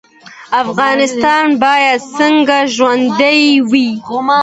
افغانستان باید څنګه ژوندی وي؟